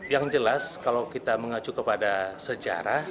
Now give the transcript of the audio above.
yang jelas kalau kita mengacu kepada sejarah